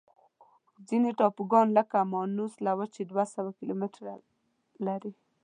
ځینې ټاپوګان لکه مانوس له وچې دوه سوه کیلومتره لري.